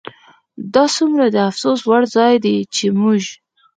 دا څومره د افسوس وړ ځای دی چې موږ